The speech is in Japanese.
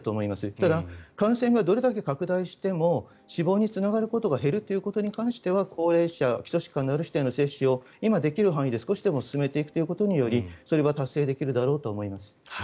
ただ、感染がどれだけ拡大しても死亡につながることが減るということに関しては高齢者、基礎疾患のある人への接種を今できる範囲で少しでも進めていくということによりそれは達成できるだろうと思います。